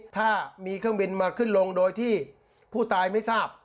ถ้ามีเครื่องบินมาขึ้นลงโดยที่ผู้ตายไม่ทราบ